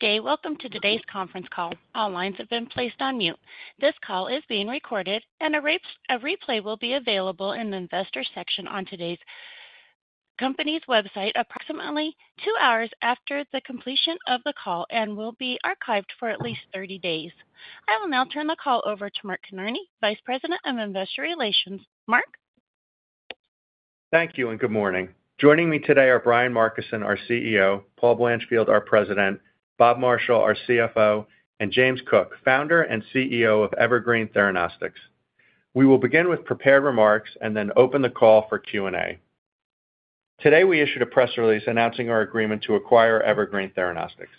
Good day. Welcome to today's conference call. All lines have been placed on mute. This call is being recorded, and a replay will be available in the investor section on the company's website approximately two hours after the completion of the call and will be archived for at least 30 days. I will now turn the call over to Mark Kinarney, Vice President of Investor Relations. Mark? Thank you and good morning. Joining me today are Brian Markison, our CEO, Paul Blanchfield, our President, Bob Marshall, our CFO, and James Cook, Founder and CEO of Evergreen Theranostics. We will begin with prepared remarks and then open the call for Q&A. Today, we issued a press release announcing our agreement to acquire Evergreen Theranostics.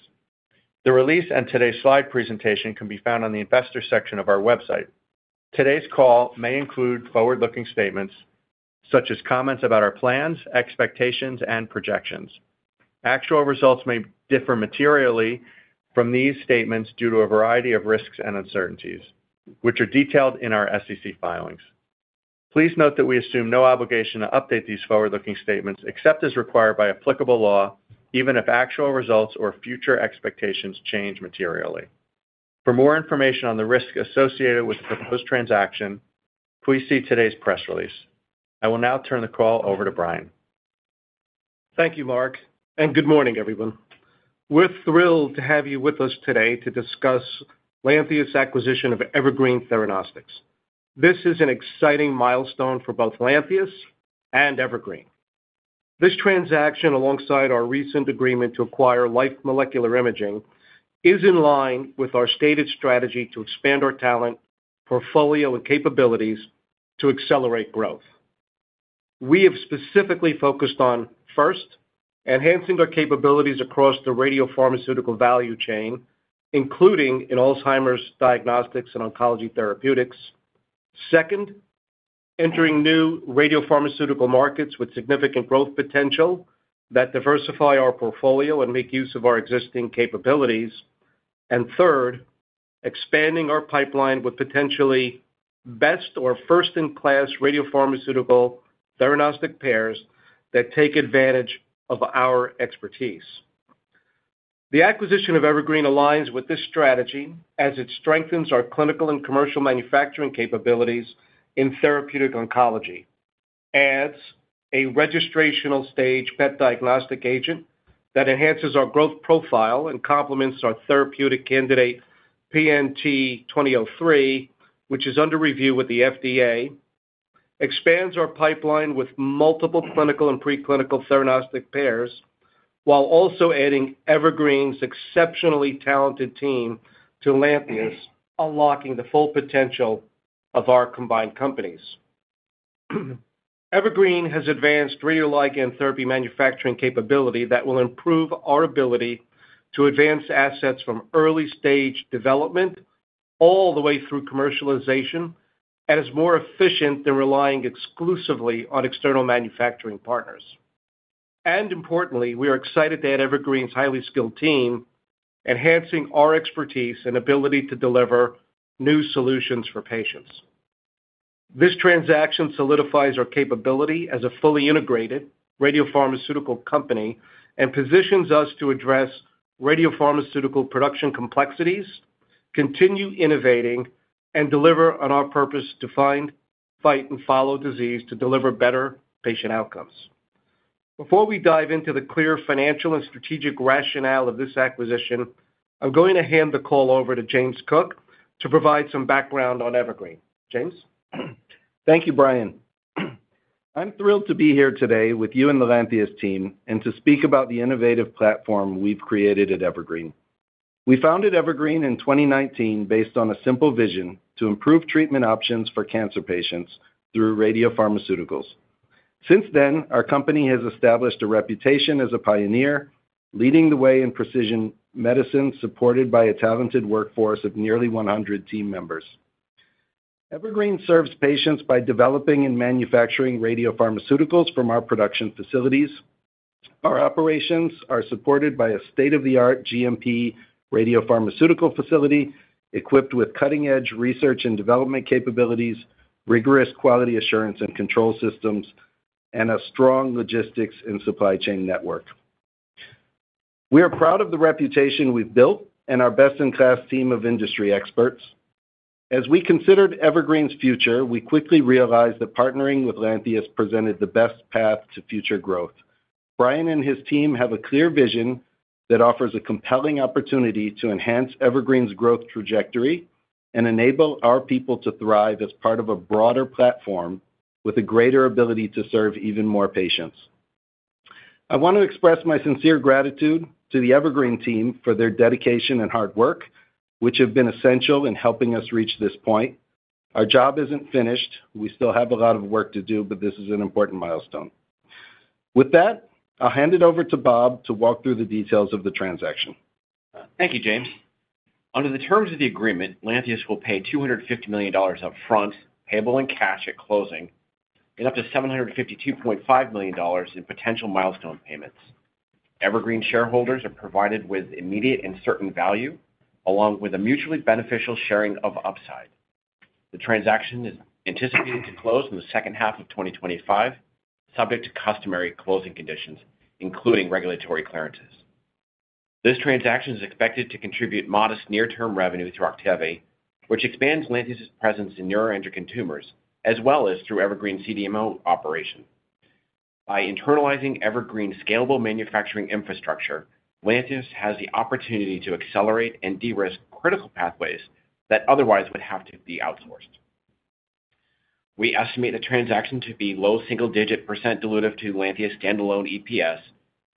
The release and today's slide presentation can be found on the investor section of our website. Today's call may include forward-looking statements such as comments about our plans, expectations, and projections. Actual results may differ materially from these statements due to a variety of risks and uncertainties, which are detailed in our SEC filings. Please note that we assume no obligation to update these forward-looking statements except as required by applicable law, even if actual results or future expectations change materially. For more information on the risks associated with the proposed transaction, please see today's press release. I will now turn the call over to Brian. Thank you, Mark, and good morning, everyone. We're thrilled to have you with us today to discuss Lantheus' acquisition of Evergreen Theranostics. This is an exciting milestone for both Lantheus and Evergreen. This transaction, alongside our recent agreement to acquire Life Molecular Imaging, is in line with our stated strategy to expand our talent, portfolio, and capabilities to accelerate growth. We have specifically focused on, first, enhancing our capabilities across the radiopharmaceutical value chain, including in Alzheimer's diagnostics and oncology therapeutics. Second, entering new radiopharmaceutical markets with significant growth potential that diversify our portfolio and make use of our existing capabilities. And third, expanding our pipeline with potentially best or first-in-class radiopharmaceutical theranostic pairs that take advantage of our expertise. The acquisition of Evergreen aligns with this strategy as it strengthens our clinical and commercial manufacturing capabilities in therapeutic oncology, adds a registrational stage PET diagnostic agent that enhances our growth profile and complements our therapeutic candidate, PNT2003, which is under review with the FDA, expands our pipeline with multiple clinical and preclinical theranostic pairs, while also adding Evergreen's exceptionally talented team to Lantheus, unlocking the full potential of our combined companies. Evergreen has advanced radioligand therapy manufacturing capability that will improve our ability to advance assets from early-stage development all the way through commercialization and is more efficient than relying exclusively on external manufacturing partners. And importantly, we are excited to add Evergreen's highly skilled team, enhancing our expertise and ability to deliver new solutions for patients. This transaction solidifies our capability as a fully integrated radiopharmaceutical company and positions us to address radiopharmaceutical production complexities, continue innovating, and deliver on our purpose to find, fight, and follow disease to deliver better patient outcomes. Before we dive into the clear financial and strategic rationale of this acquisition, I'm going to hand the call over to James Cook to provide some background on Evergreen. James. Thank you, Brian. I'm thrilled to be here today with you and the Lantheus team and to speak about the innovative platform we've created at Evergreen. We founded Evergreen in 2019 based on a simple vision to improve treatment options for cancer patients through radiopharmaceuticals. Since then, our company has established a reputation as a pioneer, leading the way in precision medicine supported by a talented workforce of nearly 100 team members. Evergreen serves patients by developing and manufacturing radiopharmaceuticals from our production facilities. Our operations are supported by a state-of-the-art GMP radiopharmaceutical facility equipped with cutting-edge research and development capabilities, rigorous quality assurance and control systems, and a strong logistics and supply chain network. We are proud of the reputation we've built and our best-in-class team of industry experts. As we considered Evergreen's future, we quickly realized that partnering with Lantheus presented the best path to future growth. Brian and his team have a clear vision that offers a compelling opportunity to enhance Evergreen's growth trajectory and enable our people to thrive as part of a broader platform with a greater ability to serve even more patients. I want to express my sincere gratitude to the Evergreen team for their dedication and hard work, which have been essential in helping us reach this point. Our job isn't finished. We still have a lot of work to do, but this is an important milestone. With that, I'll hand it over to Bob to walk through the details of the transaction. Thank you, James. Under the terms of the agreement, Lantheus will pay $250 million upfront, payable in cash at closing, and up to $752.5 million in potential milestone payments. Evergreen shareholders are provided with immediate and certain value, along with a mutually beneficial sharing of upside. The transaction is anticipated to close in the second half of 2025, subject to customary closing conditions, including regulatory clearances. This transaction is expected to contribute modest near-term revenue through OCTEVY, which expands Lantheus' presence in neuroendocrine tumors, as well as through Evergreen's CDMO operation. By internalizing Evergreen's scalable manufacturing infrastructure, Lantheus has the opportunity to accelerate and de-risk critical pathways that otherwise would have to be outsourced. We estimate the transaction to be low single-digit % dilutive to Lantheus' standalone EPS,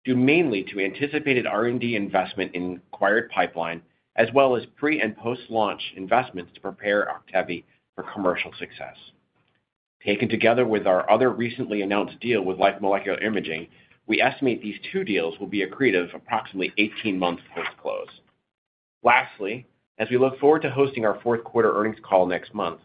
due mainly to anticipated R&D investment in the acquired pipeline, as well as pre- and post-launch investments to prepare OCTEVY for commercial success. Taken together with our other recently announced deal with Life Molecular Imaging, we estimate these two deals will be accretive approximately 18 months post-close. Lastly, as we look forward to hosting our fourth quarter earnings call next month,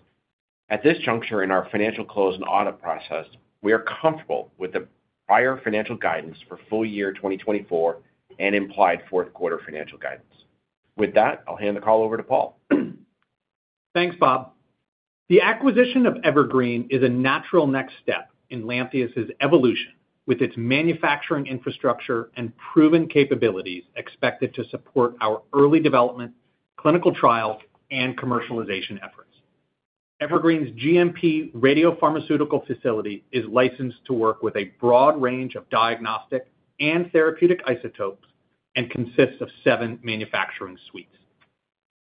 at this juncture in our financial close and audit process, we are comfortable with the prior financial guidance for full year 2024 and implied fourth quarter financial guidance. With that, I'll hand the call over to Paul. Thanks, Bob. The acquisition of Evergreen is a natural next step in Lantheus' evolution, with its manufacturing infrastructure and proven capabilities expected to support our early development, clinical trials, and commercialization efforts. Evergreen's GMP radiopharmaceutical facility is licensed to work with a broad range of diagnostic and therapeutic isotopes and consists of seven manufacturing suites.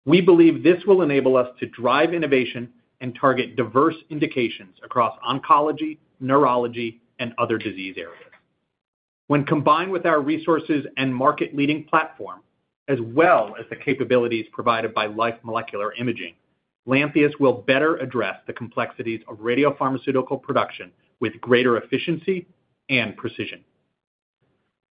We believe this will enable us to drive innovation and target diverse indications across oncology, neurology, and other disease areas. When combined with our resources and market-leading platform, as well as the capabilities provided by Life Molecular Imaging, Lantheus will better address the complexities of radiopharmaceutical production with greater efficiency and precision.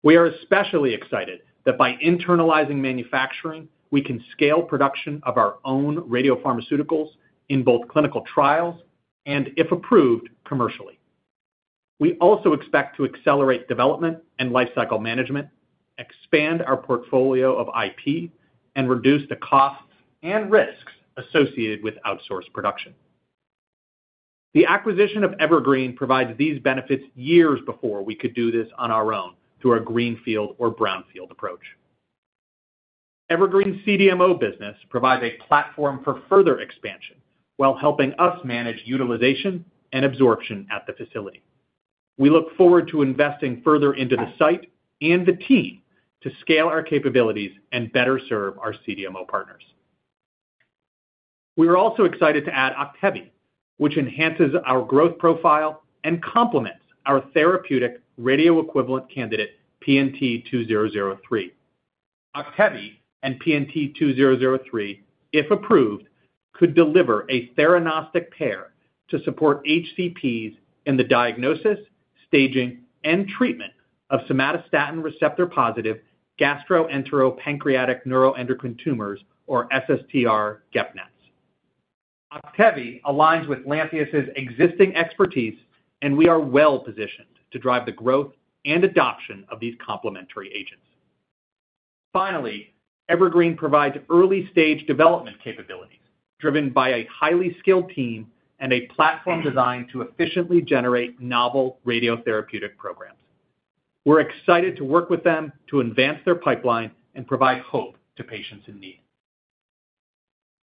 We are especially excited that by internalizing manufacturing, we can scale production of our own radiopharmaceuticals in both clinical trials and, if approved, commercially. We also expect to accelerate development and lifecycle management, expand our portfolio of IP, and reduce the costs and risks associated with outsourced production. The acquisition of Evergreen provides these benefits years before we could do this on our own through a greenfield or brownfield approach. Evergreen's CDMO business provides a platform for further expansion while helping us manage utilization and absorption at the facility. We look forward to investing further into the site and the team to scale our capabilities and better serve our CDMO partners. We are also excited to add OCTEVY, which enhances our growth profile and complements our therapeutic radio-equivalent candidate, PNT2003. OCTEVY and PNT2003, if approved, could deliver a theranostic pair to support HCPs in the diagnosis, staging, and treatment of somatostatin receptor-positive gastroenteropancreatic neuroendocrine tumors, or SSTR GEP-NETs. OCTEVY aligns with Lantheus' existing expertise, and we are well-positioned to drive the growth and adoption of these complementary agents. Finally, Evergreen provides early-stage development capabilities driven by a highly skilled team and a platform designed to efficiently generate novel radiotherapeutic programs. We're excited to work with them to advance their pipeline and provide hope to patients in need.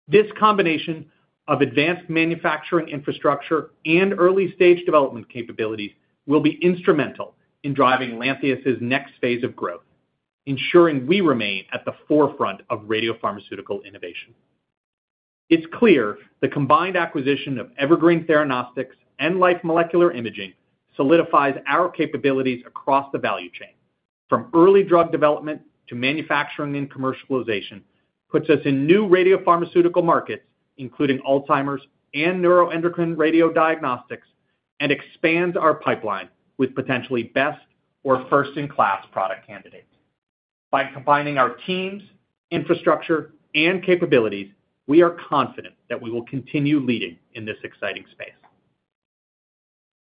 This combination of advanced manufacturing infrastructure and early-stage development capabilities will be instrumental in driving Lantheus' next phase of growth, ensuring we remain at the forefront of radiopharmaceutical innovation. It's clear the combined acquisition of Evergreen Theranostics and Life Molecular Imaging solidifies our capabilities across the value chain. From early drug development to manufacturing and commercialization, it puts us in new radiopharmaceutical markets, including Alzheimer's and neuroendocrine radiodiagnostics, and expands our pipeline with potentially best or first-in-class product candidates. By combining our teams, infrastructure, and capabilities, we are confident that we will continue leading in this exciting space.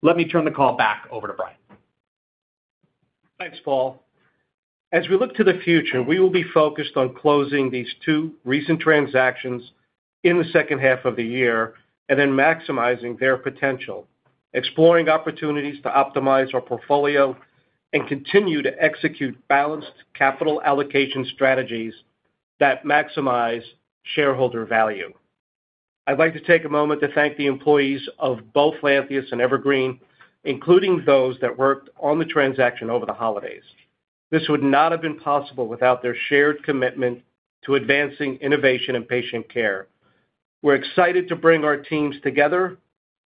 Let me turn the call back over to Brian. Thanks, Paul. As we look to the future, we will be focused on closing these two recent transactions in the second half of the year and then maximizing their potential, exploring opportunities to optimize our portfolio, and continue to execute balanced capital allocation strategies that maximize shareholder value. I'd like to take a moment to thank the employees of both Lantheus and Evergreen, including those that worked on the transaction over the holidays. This would not have been possible without their shared commitment to advancing innovation in patient care. We're excited to bring our teams together,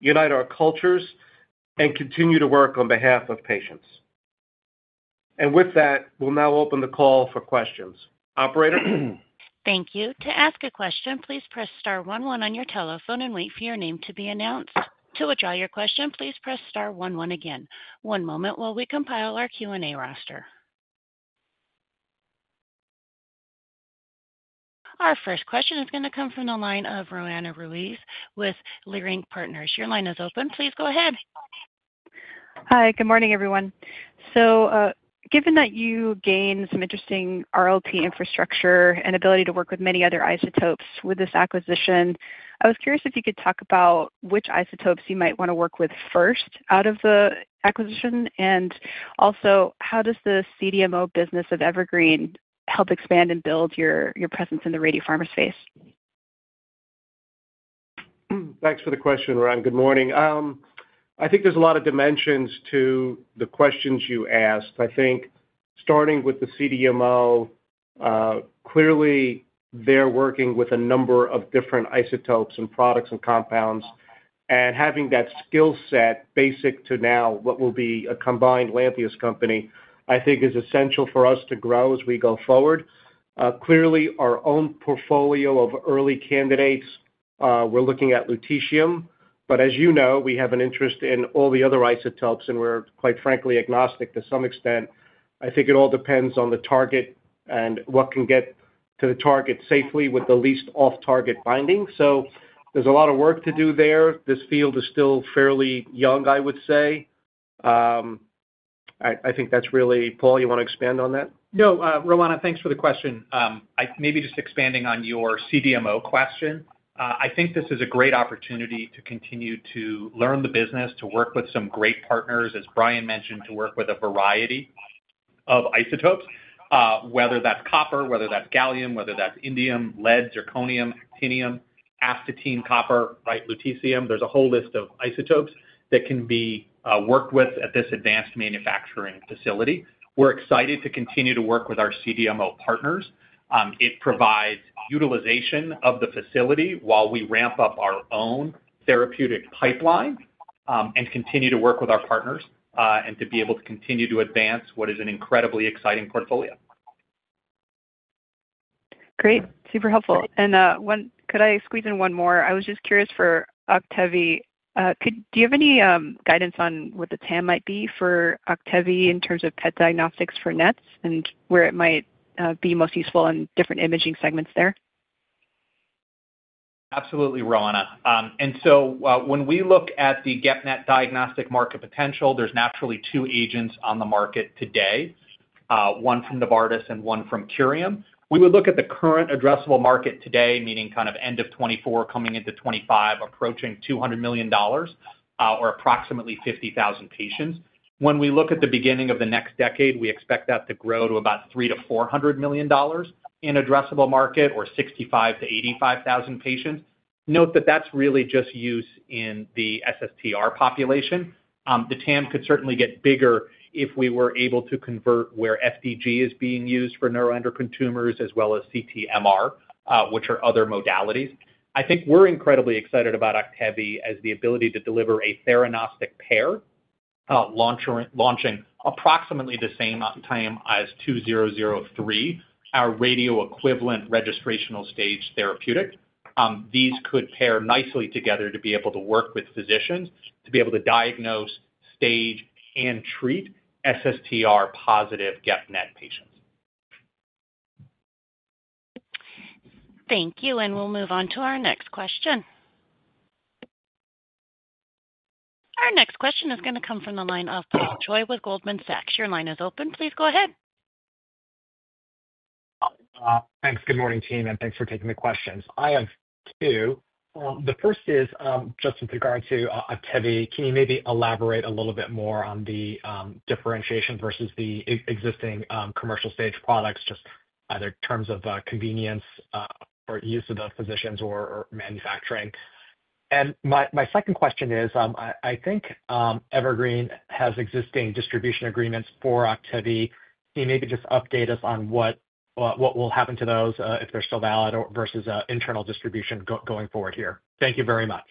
unite our cultures, and continue to work on behalf of patients. And with that, we'll now open the call for questions. Operator. Thank you. To ask a question, please press star one one on your telephone and wait for your name to be announced. To withdraw your question, please press star one one again. One moment while we compile our Q&A roster. Our first question is going to come from the line of Roanna Ruiz with Leerink Partners. Your line is open. Please go ahead. Hi. Good morning, everyone. So given that you gained some interesting RLT infrastructure and ability to work with many other isotopes with this acquisition, I was curious if you could talk about which isotopes you might want to work with first out of the acquisition? And also, how does the CDMO business of Evergreen help expand and build your presence in the radiopharma space? Thanks for the question, Roanna. Good morning. I think there's a lot of dimensions to the questions you asked. I think starting with the CDMO, clearly they're working with a number of different isotopes and products and compounds. And having that skill set basic to now what will be a combined Lantheus company, I think, is essential for us to grow as we go forward. Clearly, our own portfolio of early candidates, we're looking at Lutetium. But as you know, we have an interest in all the other isotopes, and we're quite frankly agnostic to some extent. I think it all depends on the target and what can get to the target safely with the least off-target binding. So there's a lot of work to do there. This field is still fairly young, I would say. I think that's really, Paul. You want to expand on that? No, Roanna, thanks for the question. Maybe just expanding on your CDMO question, I think this is a great opportunity to continue to learn the business, to work with some great partners, as Brian mentioned, to work with a variety of isotopes, whether that's copper, whether that's gallium, whether that's indium, lead, zirconium, actinium, astatine, copper, right, Lutetium. There's a whole list of isotopes that can be worked with at this advanced manufacturing facility. We're excited to continue to work with our CDMO partners. It provides utilization of the facility while we ramp up our own therapeutic pipeline and continue to work with our partners and to be able to continue to advance what is an incredibly exciting portfolio. Great. Super helpful. And could I squeeze in one more? I was just curious for OCTEVY. Do you have any guidance on what the TAM might be for OCTEVY in terms of PET diagnostics for NETs and where it might be most useful in different imaging segments there? Absolutely, Roanna. And so when we look at the GEP-NET diagnostic market potential, there's naturally two agents on the market today, one from Novartis and one from Curium. We would look at the current addressable market today, meaning kind of end of 2024, coming into 2025, approaching $200 million or approximately 50,000 patients. When we look at the beginning of the next decade, we expect that to grow to about $300-$400 million in addressable market or 65,000-85,000 patients. Note that that's really just use in the SSTR population. The TAM could certainly get bigger if we were able to convert where FDG is being used for neuroendocrine tumors as well as CT/MR, which are other modalities. I think we're incredibly excited about OCTEVY as the ability to deliver a theranostic pair, launching approximately the same time as 2003, our radio-equivalent registrational stage therapeutic. These could pair nicely together to be able to work with physicians to be able to diagnose, stage, and treat SSTR-positive GEP-NET patients. Thank you. And we'll move on to our next question. Our next question is going to come from the line of Paul Choi with Goldman Sachs. Your line is open. Please go ahead. Thanks. Good morning, team, and thanks for taking the questions. I have two. The first is just with regard to OCTEVY. Can you maybe elaborate a little bit more on the differentiation versus the existing commercial-stage products, just either in terms of convenience or use of the physicians or manufacturing? And my second question is, I think Evergreen has existing distribution agreements for OCTEVY. Can you maybe just update us on what will happen to those if they're still valid versus internal distribution going forward here? Thank you very much.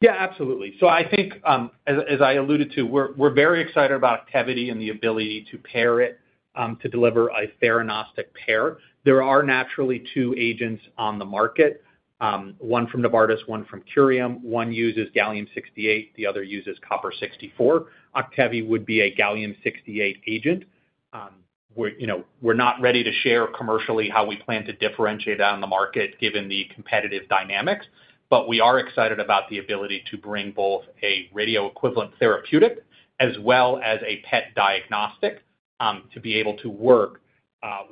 Yeah, absolutely. So I think, as I alluded to, we're very excited about OCTEVY and the ability to pair it to deliver a theranostic pair. There are naturally two agents on the market, one from Novartis, one from Curium. One uses Gallium-68. The other uses copper-64. OCTEVY would be a Gallium-68 agent. We're not ready to share commercially how we plan to differentiate that on the market given the competitive dynamics. But we are excited about the ability to bring both a radio-equivalent therapeutic as well as a PET diagnostic to be able to work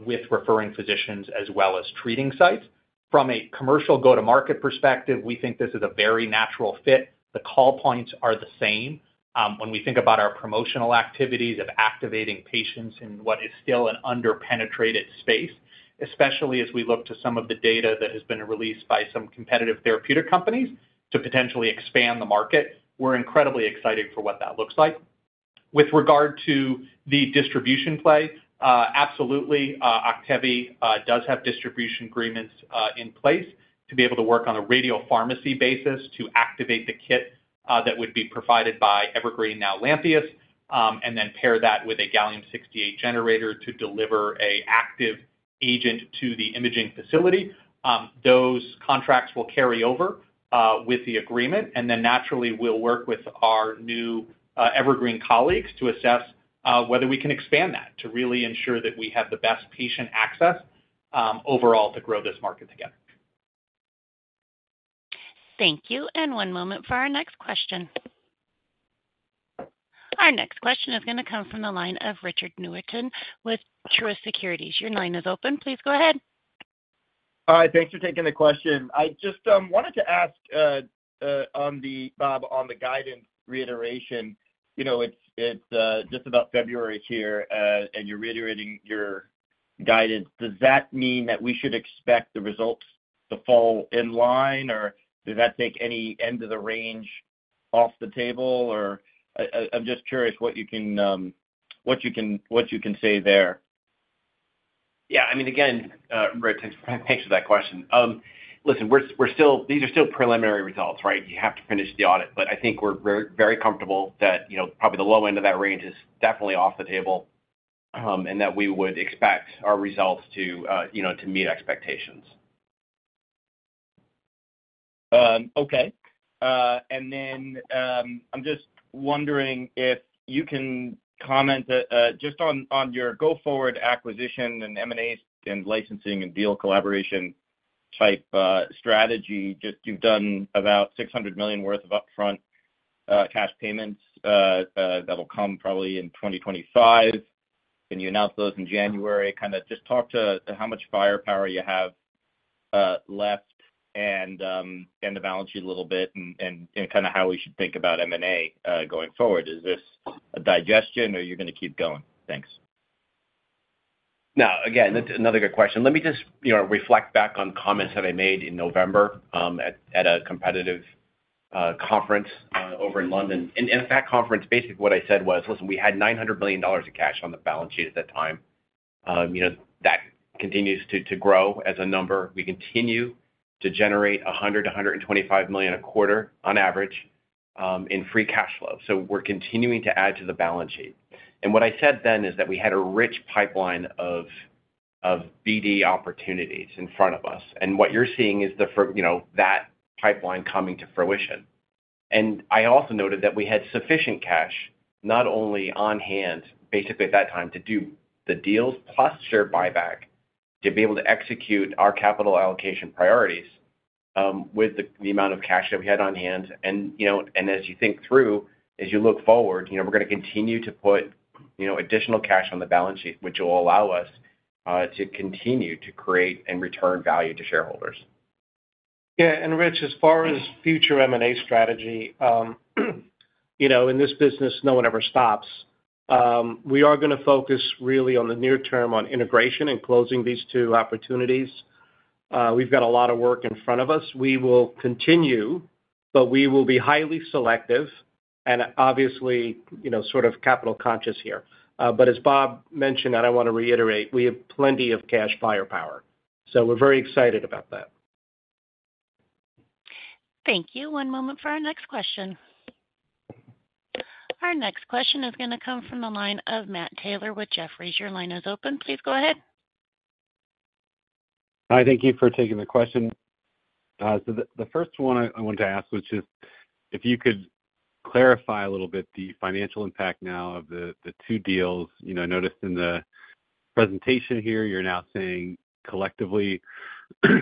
with referring physicians as well as treating sites. From a commercial go-to-market perspective, we think this is a very natural fit. The call points are the same. When we think about our promotional activities of activating patients in what is still an underpenetrated space, especially as we look to some of the data that has been released by some competitive therapeutic companies to potentially expand the market, we're incredibly excited for what that looks like. With regard to the distribution play, absolutely, OCTEVY does have distribution agreements in place to be able to work on a radiopharmacy basis to activate the kit that would be provided by Evergreen, now Lantheus, and then pair that with a Gallium-68 generator to deliver an active agent to the imaging facility. Those contracts will carry over with the agreement, and then naturally, we'll work with our new Evergreen colleagues to assess whether we can expand that to really ensure that we have the best patient access overall to grow this market together. Thank you, and one moment for our next question. Our next question is going to come from the line of Richard Newitter with Truist Securities. Your line is open. Please go ahead. Hi. Thanks for taking the question. I just wanted to ask on the guidance reiteration. It's just about February here, and you're reiterating your guidance. Does that mean that we should expect the results to fall in line, or does that take any end-of-the-range off the table? Or, I'm just curious what you can say there? Yeah. I mean, again, Rich, thanks for that question. Listen, these are still preliminary results, right? You have to finish the audit. But I think we're very comfortable that probably the low end of that range is definitely off the table and that we would expect our results to meet expectations. Okay. And then I'm just wondering if you can comment just on your go-forward acquisition and M&As and licensing and deal collaboration type strategy. Just you've done about $600 million worth of upfront cash payments that will come probably in 2025. Can you announce those in January? Kind of just talk to how much firepower you have left and the balance sheet a little bit and kind of how we should think about M&A going forward. Is this a digestion, or are you going to keep going? Thanks. No. Again, that's another good question. Let me just reflect back on comments that I made in November at a competitive conference over in London. And at that conference, basically, what I said was, "Listen, we had $900 million of cash on the balance sheet at that time. That continues to grow as a number. We continue to generate $100 million-$125 million a quarter on average in free cash flow. So we're continuing to add to the balance sheet." And what I said then is that we had a rich pipeline of BD opportunities in front of us. And what you're seeing is that pipeline coming to fruition. I also noted that we had sufficient cash not only on hand, basically at that time, to do the deals plus share buyback to be able to execute our capital allocation priorities with the amount of cash that we had on hand. As you think through, as you look forward, we're going to continue to put additional cash on the balance sheet, which will allow us to continue to create and return value to shareholders. Yeah. And Rich, as far as future M&A strategy, in this business, no one ever stops. We are going to focus really on the near term on integration and closing these two opportunities. We've got a lot of work in front of us. We will continue, but we will be highly selective and obviously sort of capital conscious here. But as Bob mentioned, and I want to reiterate, we have plenty of cash firepower. So we're very excited about that. Thank you. One moment for our next question. Our next question is going to come from the line of Matt Taylor with Jefferies. Your line is open. Please go ahead. Hi. Thank you for taking the question. So the first one I wanted to ask was just if you could clarify a little bit the financial impact now of the two deals. I noticed in the presentation here, you're now saying collectively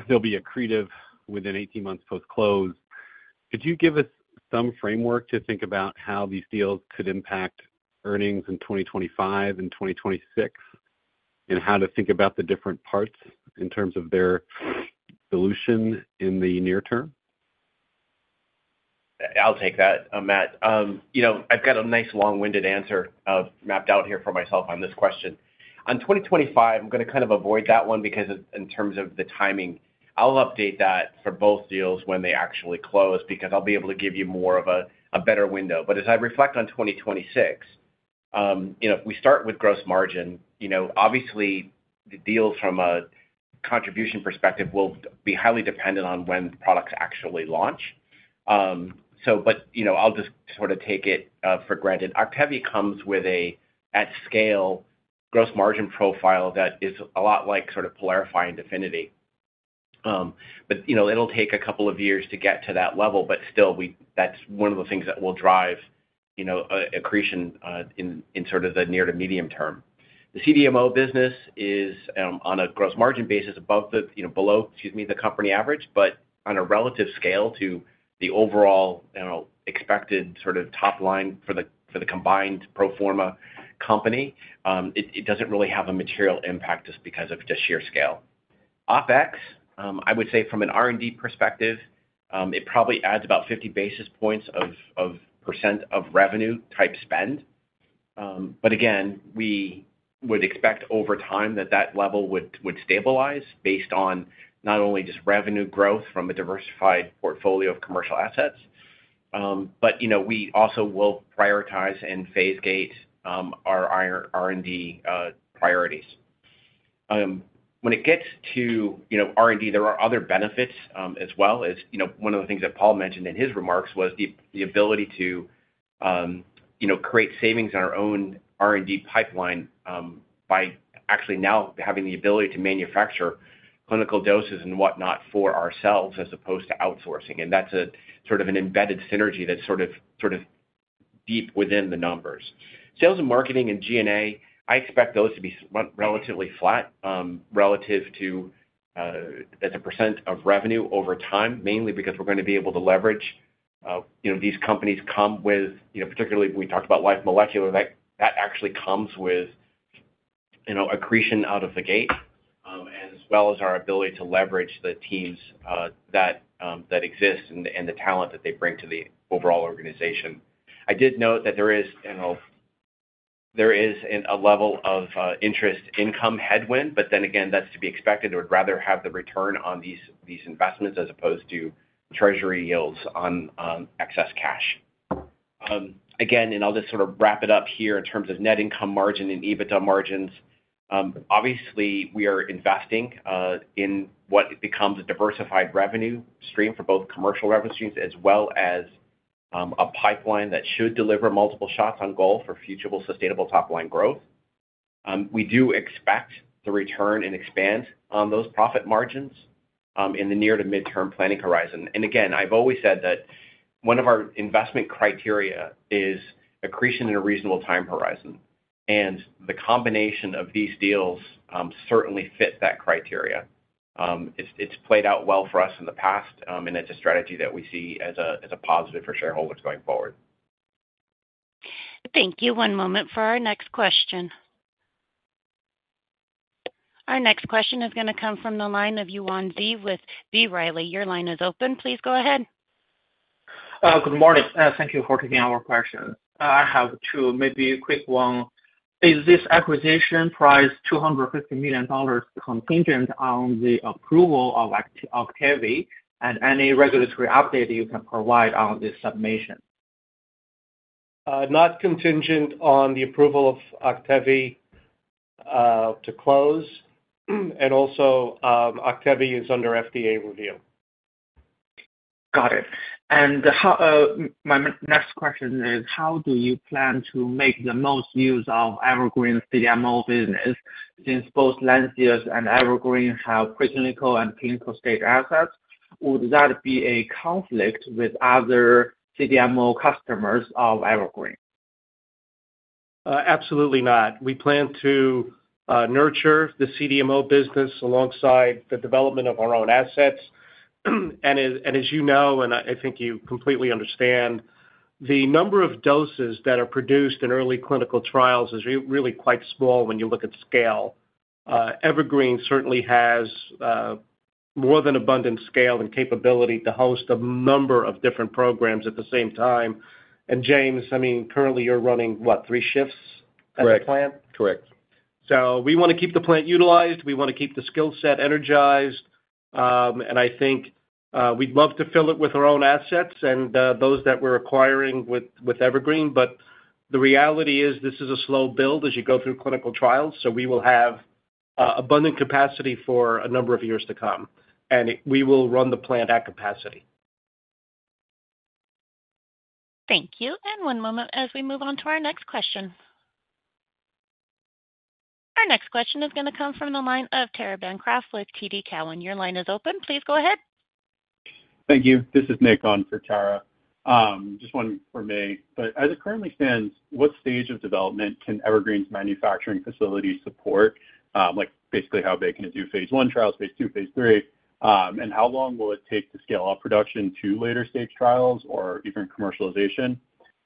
they'll be accretive within 18 months post-close. Could you give us some framework to think about how these deals could impact earnings in 2025 and 2026 and how to think about the different parts in terms of their solution in the near term? I'll take that, Matt. I've got a nice long-winded answer mapped out here for myself on this question. On 2025, I'm going to kind of avoid that one because in terms of the timing, I'll update that for both deals when they actually close because I'll be able to give you more of a better window. But as I reflect on 2026, if we start with gross margin, obviously, the deals from a contribution perspective will be highly dependent on when products actually launch. But I'll just sort of take it for granted. OCTEVY comes with a at-scale gross margin profile that is a lot like sort of PYLARIFY and Definity. But it'll take a couple of years to get to that level. But still, that's one of the things that will drive accretion in sort of the near to medium term. The CDMO business is on a gross margin basis below, excuse me, the company average, but on a relative scale to the overall expected sort of top line for the combined pro forma company, it doesn't really have a material impact just because of just sheer scale. OpEx, I would say from an R&D perspective, it probably adds about 50 basis points of percent of revenue-type spend. But again, we would expect over time that that level would stabilize based on not only just revenue growth from a diversified portfolio of commercial assets, but we also will prioritize and phase gate our R&D priorities. When it gets to R&D, there are other benefits as well. One of the things that Paul mentioned in his remarks was the ability to create savings on our own R&D pipeline by actually now having the ability to manufacture clinical doses and whatnot for ourselves as opposed to outsourcing. And that's sort of an embedded synergy that's sort of deep within the numbers. Sales and marketing and G&A, I expect those to be relatively flat relative to as a % of revenue over time, mainly because we're going to be able to leverage these companies come with particularly when we talked about Life Molecular, that actually comes with accretion out of the gate as well as our ability to leverage the teams that exist and the talent that they bring to the overall organization. I did note that there is a level of interest income headwind, but then again, that's to be expected. I would rather have the return on these investments as opposed to treasury yields on excess cash. Again, and I'll just sort of wrap it up here in terms of net income margin and EBITDA margins. Obviously, we are investing in what becomes a diversified revenue stream for both commercial revenue streams as well as a pipeline that should deliver multiple shots on goal for future viable sustainable top line growth. We do expect to return and expand on those profit margins in the near to midterm planning horizon. And again, I've always said that one of our investment criteria is accretion in a reasonable time horizon. And the combination of these deals certainly fits that criteria. It's played out well for us in the past, and it's a strategy that we see as a positive for shareholders going forward. Thank you. One moment for our next question. Our next question is going to come from the line of Yuan Zhi with B. Riley. Your line is open. Please go ahead. Good morning. Thank you for taking our question. I have two, maybe a quick one. Is this acquisition price $250 million contingent on the approval of OCTEVY and any regulatory update you can provide on this submission? Not contingent on the approval of OCTEVY to close, and also, OCTEVY is under FDA review. Got it. And my next question is, how do you plan to make the most use of Evergreen's CDMO business since both Lantheus and Evergreen have preclinical and clinical-stage assets? Would that be a conflict with other CDMO customers of Evergreen? Absolutely not. We plan to nurture the CDMO business alongside the development of our own assets, and as you know, and I think you completely understand, the number of doses that are produced in early clinical trials is really quite small when you look at scale. Evergreen certainly has more than abundant scale and capability to host a number of different programs at the same time, and James, I mean, currently, you're running what, three shifts at the plant? Correct. Correct. So we want to keep the plant utilized. We want to keep the skill set energized. And I think we'd love to fill it with our own assets and those that we're acquiring with Evergreen. But the reality is this is a slow build as you go through clinical trials. So we will have abundant capacity for a number of years to come. And we will run the plant at capacity. Thank you. And one moment as we move on to our next question. Our next question is going to come from the line of Tara Bancroft with TD Cowen. Your line is open. Please go ahead. Thank you. This is Nick on for Tara. Just one from me. But as it currently stands, what stage of development can Evergreen's manufacturing facility support? Basically, how big can it do phase I trials, phase II, phase III? And how long will it take to scale up production to later stage trials or even commercialization?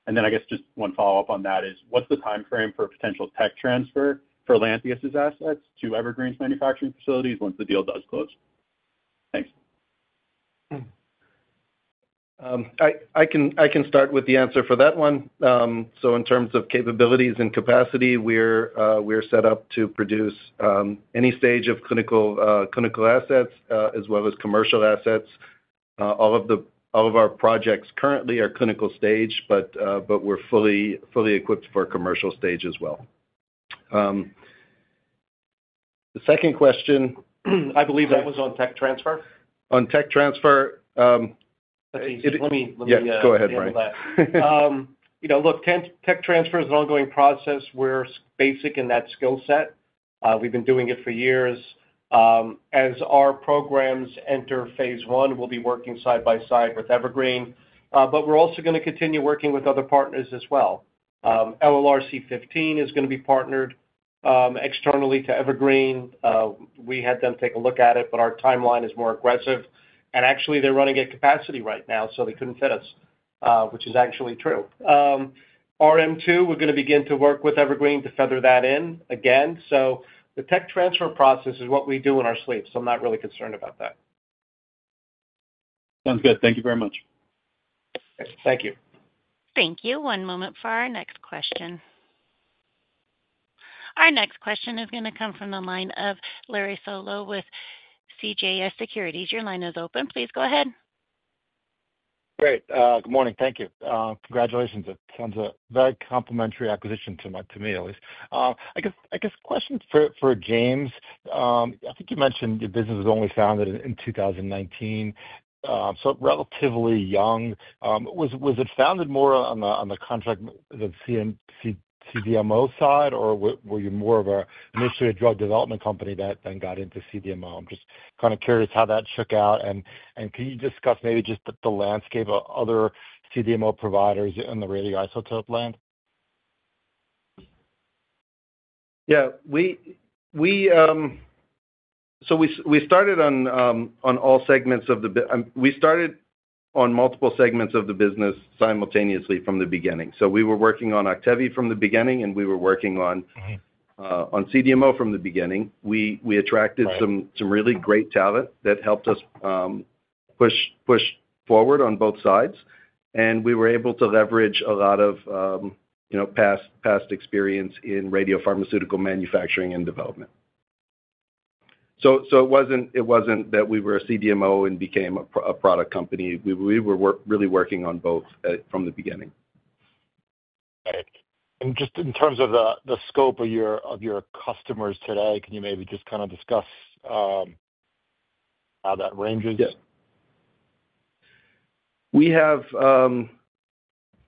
And then I guess just one follow-up on that is, what's the timeframe for a potential tech transfer for Lantheus's assets to Evergreen's manufacturing facilities once the deal does close? Thanks. I can start with the answer for that one, so in terms of capabilities and capacity, we're set up to produce any stage of clinical assets as well as commercial assets. All of our projects currently are clinical stage, but we're fully equipped for commercial stage as well. The second question. I believe that was on tech transfer. On tech transfer. Let me. Yes. Go ahead, Brian. Look, tech transfer is an ongoing process. We're basic in that skill set. We've been doing it for years. As our programs enter phase I, we'll be working side by side with Evergreen. But we're also going to continue working with other partners as well. LRRC15 is going to be partnered externally to Evergreen. We had them take a look at it, but our timeline is more aggressive. And actually, they're running at capacity right now, so they couldn't fit us, which is actually true. RM2, we're going to begin to work with Evergreen to feather that in again. So the tech transfer process is what we do in our sleep. So I'm not really concerned about that. Sounds good. Thank you very much. Thank you. Thank you. One moment for our next question. Our next question is going to come from the line of Larry Solow with CJS Securities. Your line is open. Please go ahead. Great. Good morning. Thank you. Congratulations. It sounds a very complementary acquisition to me, at least. I guess question for James. I think you mentioned your business was only founded in 2019. So relatively young. Was it founded more on the contract, the CDMO side, or were you more of initially a drug development company that then got into CDMO? I'm just kind of curious how that shook out, and can you discuss maybe just the landscape of other CDMO providers in the radioisotope land? Yeah. So we started on multiple segments of the business simultaneously from the beginning. So we were working on OCTEVY from the beginning, and we were working on CDMO from the beginning. We attracted some really great talent that helped us push forward on both sides. And we were able to leverage a lot of past experience in radiopharmaceutical manufacturing and development. So it wasn't that we were a CDMO and became a product company. We were really working on both from the beginning. Got it. And just in terms of the scope of your customers today, can you maybe just kind of discuss how that ranges? Yes. We have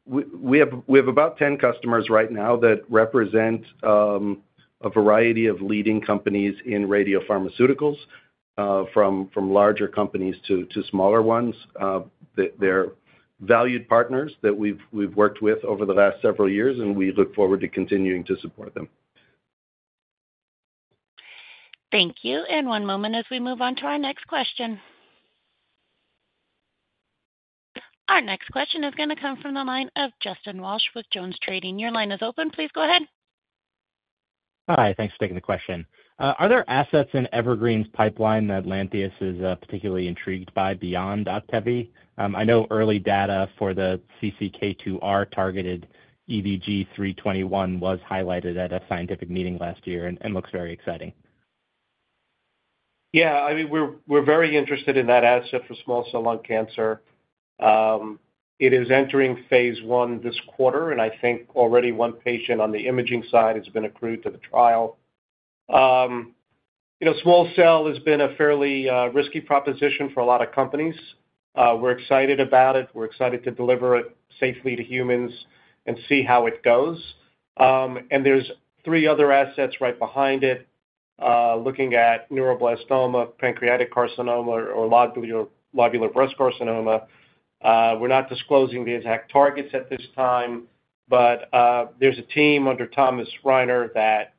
about 10 customers right now that represent a variety of leading companies in radiopharmaceuticals from larger companies to smaller ones. They're valued partners that we've worked with over the last several years, and we look forward to continuing to support them. Thank you. And one moment as we move on to our next question. Our next question is going to come from the line of Justin Walsh with JonesTrading. Your line is open. Please go ahead. Hi. Thanks for taking the question. Are there assets in Evergreen's pipeline that Lantheus is particularly intrigued by beyond OCTEVY? I know early data for the CCK2R targeted EVG-321 was highlighted at a scientific meeting last year and looks very exciting. Yeah. I mean, we're very interested in that asset for small cell lung cancer. It is entering phase I this quarter, and I think already one patient on the imaging side has been accrued to the trial. Small cell has been a fairly risky proposition for a lot of companies. We're excited about it. We're excited to deliver it safely to humans and see how it goes, and there's three other assets right behind it looking at neuroblastoma, pancreatic carcinoma, or lobular breast carcinoma. We're not disclosing the exact targets at this time, but there's a team under Thomas Reiner that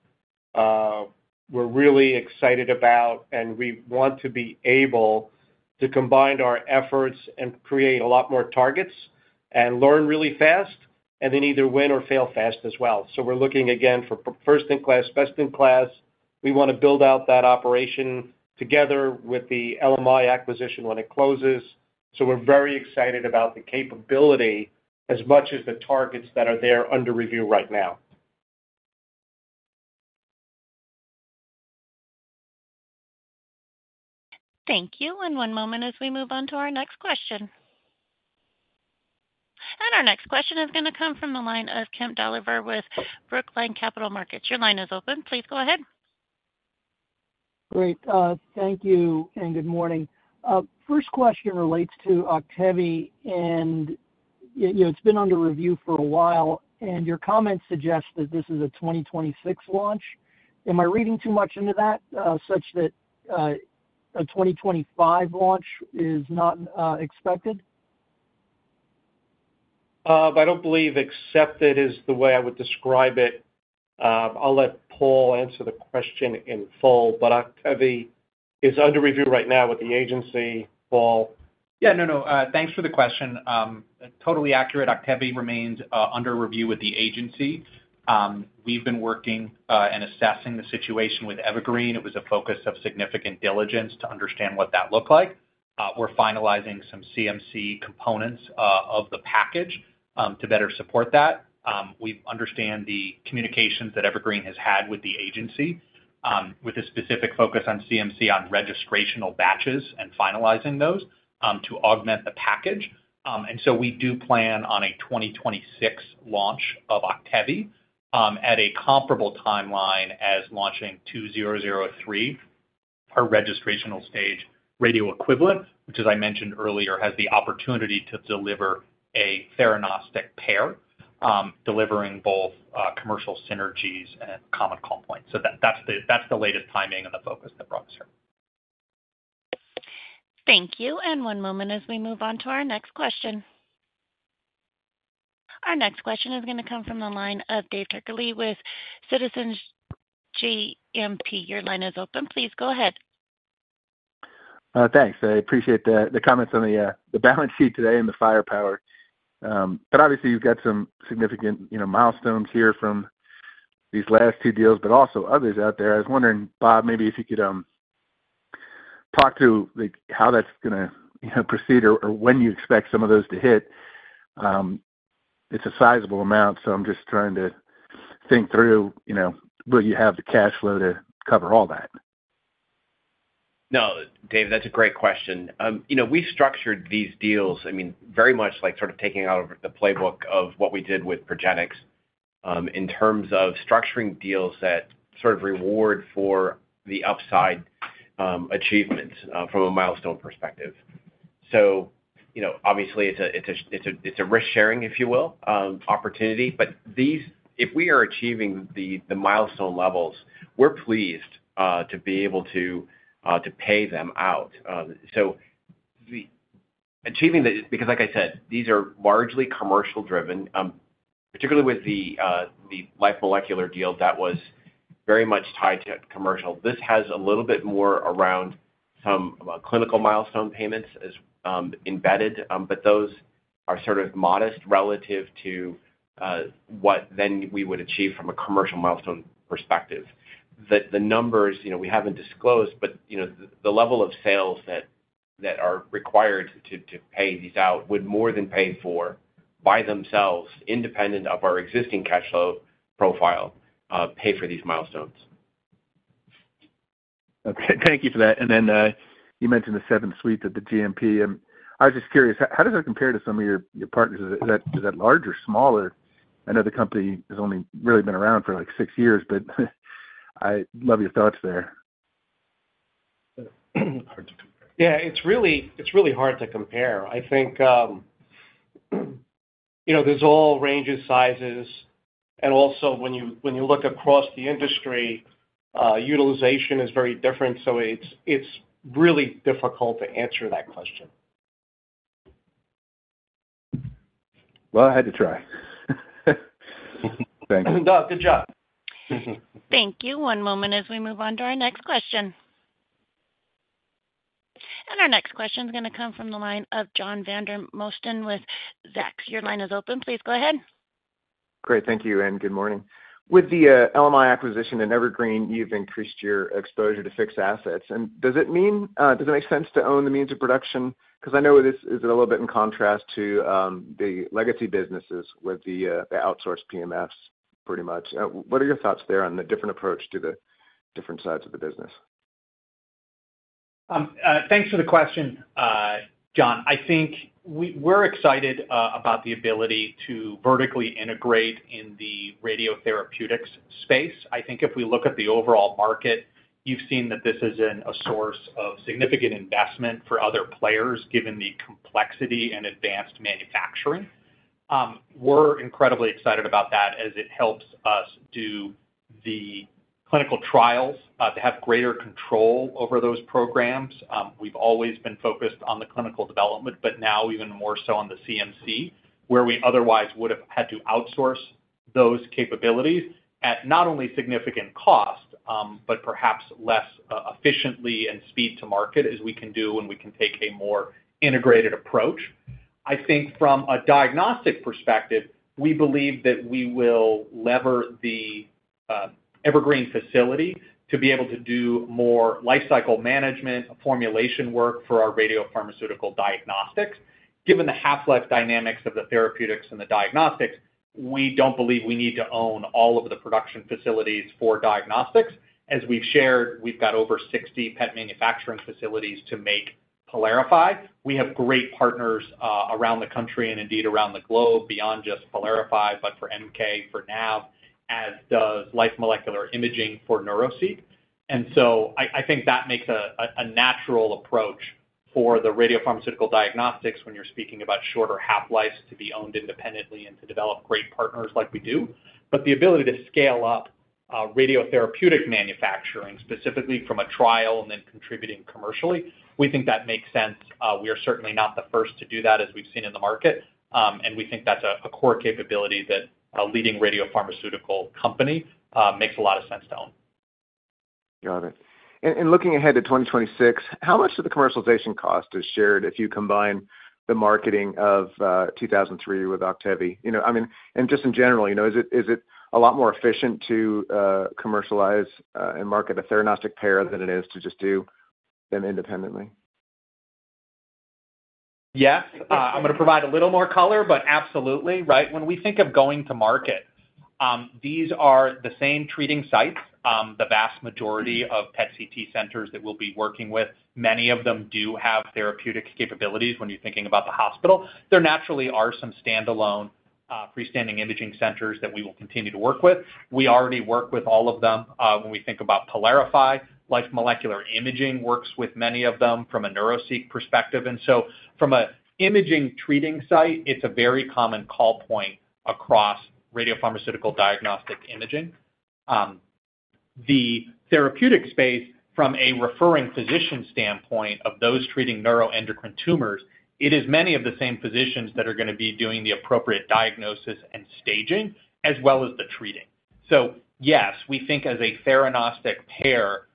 we're really excited about, and we want to be able to combine our efforts and create a lot more targets and learn really fast and then either win or fail fast as well, so we're looking again for first-in-class, best-in-class. We want to build out that operation together with the LMI acquisition when it closes, so we're very excited about the capability as much as the targets that are there under review right now. Thank you. One moment as we move on to our next question. Our next question is going to come from the line of Kemp Dolliver with Brookline Capital Markets. Your line is open. Please go ahead. Great. Thank you and good morning. First question relates to OCTEVY, and it's been under review for a while, and your comments suggest that this is a 2026 launch. Am I reading too much into that such that a 2025 launch is not expected? I don't believe expected is the way I would describe it. I'll let Paul answer the question in full, but OCTEVY is under review right now with the agency. Paul. Yeah. No, no. Thanks for the question. Totally accurate. OCTEVY remains under review with the agency. We've been working and assessing the situation with Evergreen. It was a focus of significant diligence to understand what that looked like. We're finalizing some CMC components of the package to better support that. We understand the communications that Evergreen has had with the agency with a specific focus on CMC on registrational batches and finalizing those to augment the package. And so we do plan on a 2026 launch of OCTEVY at a comparable timeline as launching 2003, our registrational stage radio equivalent, which, as I mentioned earlier, has the opportunity to deliver a theranostic pair, delivering both commercial synergies and common call points. So that's the latest timing and the focus that brought us here. Thank you. One moment as we move on to our next question. Our next question is going to come from the line of David Turkaly with JMP Securities. Your line is open. Please go ahead. Thanks. I appreciate the comments on the balance sheet today and the firepower. But obviously, you've got some significant milestones here from these last two deals, but also others out there. I was wondering, Bob, maybe if you could talk to how that's going to proceed or when you expect some of those to hit. It's a sizable amount, so I'm just trying to think through, will you have the cash flow to cover all that? No, Dave, that's a great question. We structured these deals, I mean, very much like sort of taking out of the playbook of what we did with Progenics in terms of structuring deals that sort of reward for the upside achievements from a milestone perspective. So obviously, it's a risk-sharing, if you will, opportunity. But if we are achieving the milestone levels, we're pleased to be able to pay them out. So achieving the, because like I said, these are largely commercial-driven, particularly with the Life Molecular deal that was very much tied to commercial. This has a little bit more around some clinical milestone payments embedded, but those are sort of modest relative to what then we would achieve from a commercial milestone perspective. The numbers we haven't disclosed, but the level of sales that are required to pay these out would more than pay for, by themselves, independent of our existing cash flow profile, pay for these milestones. Thank you for that. And then you mentioned the seventh suite at the GMP. I was just curious, how does that compare to some of your partners? Is that larger or smaller? I know the company has only really been around for like six years, but I love your thoughts there. Yeah. It's really hard to compare. I think there's all ranges, sizes. And also, when you look across the industry, utilization is very different. So it's really difficult to answer that question. I had to try. Thank you. Good job. Thank you. One moment as we move on to our next question. And our next question is going to come from the line of John Vandermosten with Zacks. Your line is open. Please go ahead. Great. Thank you. And good morning. With the LMI acquisition in Evergreen, you've increased your exposure to fixed assets. And does it make sense to own the means of production? Because I know this is a little bit in contrast to the legacy businesses with the outsourced PMFs pretty much. What are your thoughts there on the different approach to the different sides of the business? Thanks for the question, John. I think we're excited about the ability to vertically integrate in the radiotherapeutics space. I think if we look at the overall market, you've seen that this is a source of significant investment for other players given the complexity and advanced manufacturing. We're incredibly excited about that as it helps us do the clinical trials to have greater control over those programs. We've always been focused on the clinical development, but now even more so on the CMC, where we otherwise would have had to outsource those capabilities at not only significant cost, but perhaps less efficiently and speed to market as we can do when we can take a more integrated approach. I think from a diagnostic perspective, we believe that we will leverage the Evergreen facility to be able to do more lifecycle management formulation work for our radiopharmaceutical diagnostics. Given the half-life dynamics of the therapeutics and the diagnostics, we don't believe we need to own all of the production facilities for diagnostics. As we've shared, we've got over 60 PET manufacturing facilities to make Pylarify. We have great partners around the country and indeed around the globe beyond just Pylarify, but for MK, for NAV, as does Life Molecular Imaging for Neuraceq. And so I think that makes a natural approach for the radiopharmaceutical diagnostics when you're speaking about shorter half-lives to be owned independently and to develop great partners like we do. But the ability to scale up radiotherapeutic manufacturing specifically from a trial and then contributing commercially, we think that makes sense. We are certainly not the first to do that as we've seen in the market. We think that's a core capability that a leading radiopharmaceutical company makes a lot of sense to own. Got it, and looking ahead to 2026, how much of the commercialization cost is shared if you combine the marketing of 2003 with OCTEVY? I mean, and just in general, is it a lot more efficient to commercialize and market a theranostic pair than it is to just do them independently? Yes. I'm going to provide a little more color, but absolutely. Right when we think of going to market, these are the same treating sites. The vast majority of PET/CT centers that we'll be working with, many of them do have therapeutic capabilities when you're thinking about the hospital. There naturally are some standalone freestanding imaging centers that we will continue to work with. We already work with all of them. When we think about PYLARIFY, Life Molecular Imaging works with many of them from a Neuraceq perspective. And so from an imaging treating site, it's a very common call point across radiopharmaceutical diagnostic imaging. The therapeutic space, from a referring physician standpoint of those treating neuroendocrine tumors, it is many of the same physicians that are going to be doing the appropriate diagnosis and staging as well as the treating. So yes, we think as a theranostic pair,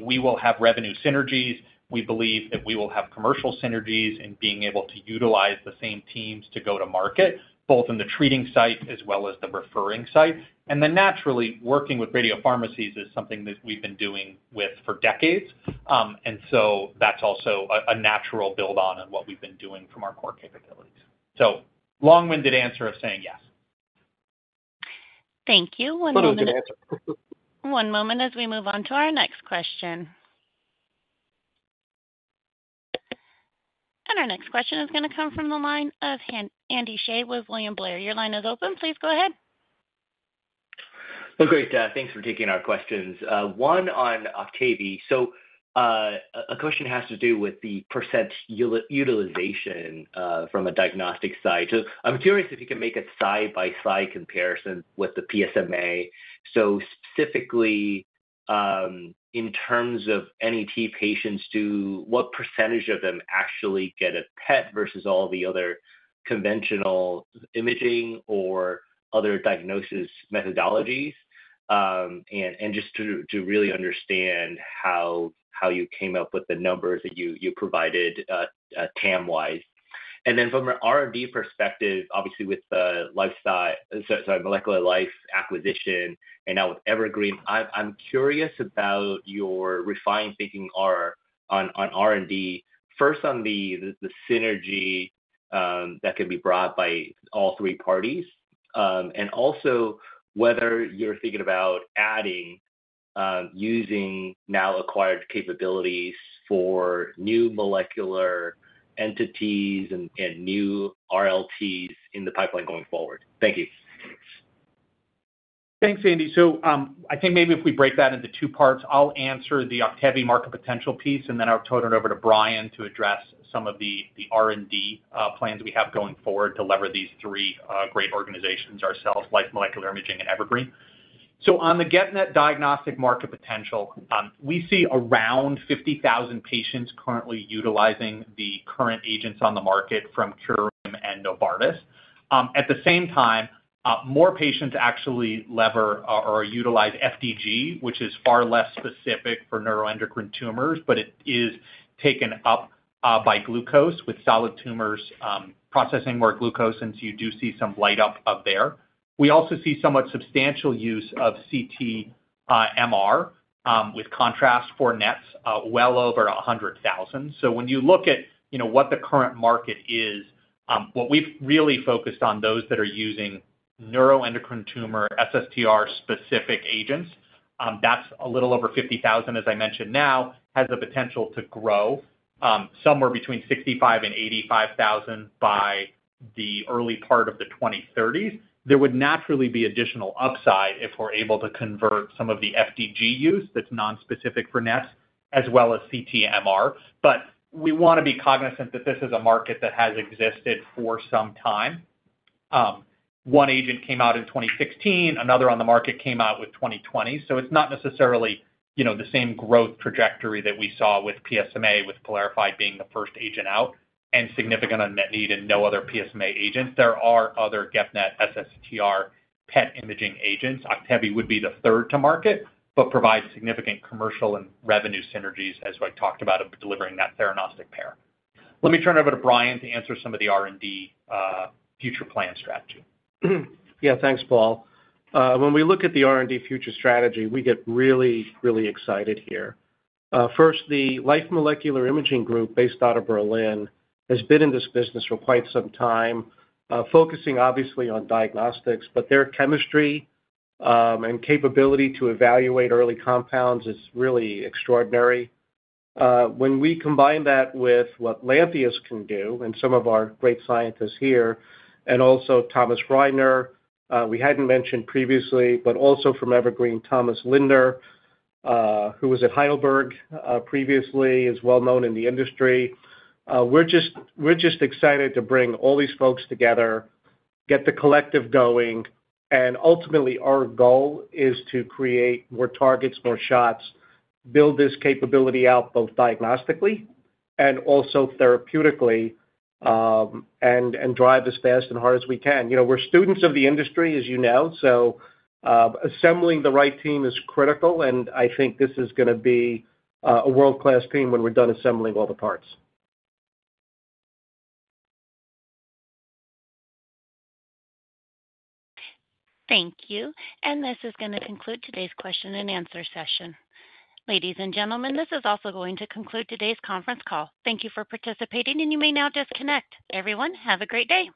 we will have revenue synergies. We believe that we will have commercial synergies in being able to utilize the same teams to go to market both in the treating site as well as the referring site. And then naturally, working with radiopharmacies is something that we've been doing with for decades. And so that's also a natural build-on on what we've been doing from our core capabilities. So long-winded answer of saying yes. Thank you. One moment. Long-winded answer. One moment as we move on to our next question. And our next question is going to come from the line of Andy Hsieh with William Blair. Your line is open. Please go ahead. Well, great. Thanks for taking our questions. One on OCTEVY. So a question has to do with the percent utilization from a diagnostic side. So I'm curious if you can make a side-by-side comparison with the PSMA. So specifically, in terms of NET patients, what percentage of them actually get a PET versus all the other conventional imaging or other diagnosis methodologies? And just to really understand how you came up with the numbers that you provided TAM-wise. And then from an R&D perspective, obviously with the Life Molecular acquisition, and now with Evergreen, I'm curious about your refined thinking on R&D, first on the synergy that can be brought by all three parties, and also whether you're thinking about adding, using now acquired capabilities for new molecular entities and new RLTs in the pipeline going forward. Thank you. Thanks, Andy. So I think maybe if we break that into two parts, I'll answer the OCTEVY market potential piece, and then I'll turn it over to Brian to address some of the R&D plans we have going forward to leverage these three great organizations ourselves, Life Molecular Imaging and Evergreen. So on the GEP-NET diagnostic market potential, we see around 50,000 patients currently utilizing the current agents on the market from Curium and Novartis. At the same time, more patients actually leverage or utilize FDG, which is far less specific for neuroendocrine tumors, but it is taken up by glucose with solid tumors processing more glucose, and so you do see some light up of there. We also see somewhat substantial use of CT/MR with contrast for NETs well over 100,000. When you look at what the current market is, what we've really focused on, those that are using neuroendocrine tumor SSTR-specific agents, that's a little over 50,000, as I mentioned now, has the potential to grow somewhere between 65,000 and 85,000 by the early part of the 2030s. There would naturally be additional upside if we're able to convert some of the FDG use that's non-specific for NETs as well as CT/MR. But we want to be cognizant that this is a market that has existed for some time. One agent came out in 2016. Another on the market came out in 2020. So it's not necessarily the same growth trajectory that we saw with PSMA, with PYLARIFY being the first agent out and significant unmet need in no other PSMA agents. There are other GEP-NET SSTR PET imaging agents. OCTEVY would be the third to market, but provides significant commercial and revenue synergies, as I talked about, of delivering that theranostic pair. Let me turn it over to Brian to answer some of the R&D future plan strategy. Yeah. Thanks, Paul. When we look at the R&D future strategy, we get really, really excited here. First, the Life Molecular Imaging group based out of Berlin has been in this business for quite some time, focusing obviously on diagnostics, but their chemistry and capability to evaluate early compounds is really extraordinary. When we combine that with what Lantheus can do and some of our great scientists here and also Thomas Reiner, we hadn't mentioned previously, but also from Evergreen, Thomas Lindner, who was at Heidelberg previously, is well-known in the industry. We're just excited to bring all these folks together, get the collective going, and ultimately, our goal is to create more targets, more shots, build this capability out both diagnostically and also therapeutically, and drive as fast and hard as we can. We're students of the industry, as you know, so assembling the right team is critical. I think this is going to be a world-class team when we're done assembling all the parts. Thank you. And this is going to conclude today's question-and-answer session. Ladies and gentlemen, this is also going to conclude today's conference call. Thank you for participating, and you may now disconnect. Everyone, have a great day.